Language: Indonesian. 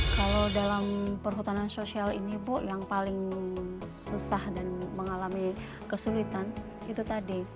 kalau dalam perhutanan sosial ini bu yang paling susah dan mengalami kesulitan itu tadi